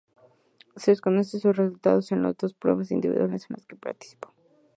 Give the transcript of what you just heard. Se desconocen sus resultados en las dos pruebas individuales en las que participó.